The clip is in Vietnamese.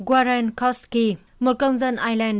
warren koski một công dân ireland